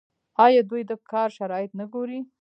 آیا دوی د کار شرایط نه ګوري؟